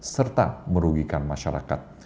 serta merugikan masyarakat